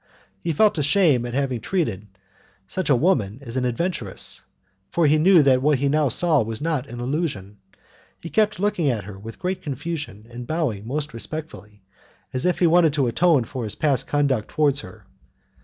He felt ashamed at having treated such a woman as an adventuress, for he knew that what he now saw was not an illusion. He kept looking at her with great confusion, and bowing most respectfully, as if he wanted to atone for his past conduct towards her.